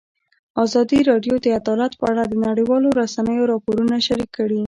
ازادي راډیو د عدالت په اړه د نړیوالو رسنیو راپورونه شریک کړي.